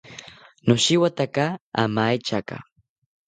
Noshewataka amaetyaka